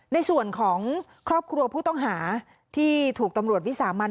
ในส่วนของครอบครัวผู้ต้องหาที่ถูกตำรวจวิสามัน